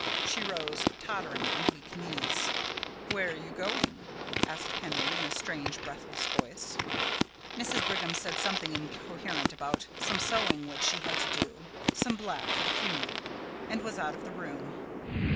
She rose, tottering on weak knees. "Where are you going?" asked Henry in a strange, breathless voice. Mrs. Brigham said something incoherent about some sewing which she had to do some black for the funeral and was out of the room.